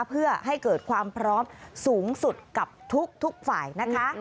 เพื่อให้เกิดความพร้อมสูงสุดกับทุกฝ่ายนะคะ